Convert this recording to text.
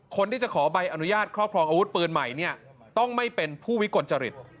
คนที่จะขอใบอนุญาตครอบครองอาวุธปืนใหม่เนี่ยต้องไม่เป็นผู้วิกลจริต